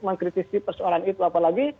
mengkritisi persoalan itu apalagi